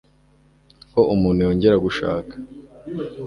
ko umuntu yongera gushaka